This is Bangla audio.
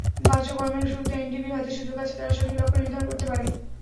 কার্যক্রমের শুরুতে এনডিবির হাতে সুযোগ আছে, তারা সঠিক লক্ষ্য নির্ধারণ করতে পারে।